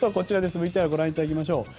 ＶＴＲをご覧いただきましょう。